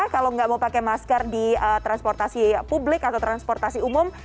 kalau nggak mau pakai masker di transportasi publik atau transportasi umum